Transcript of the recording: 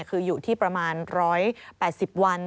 คืออยู่ที่ประมาณ๑๘๐วัน